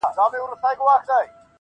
• بازارونه مالامال دي له رنګونو -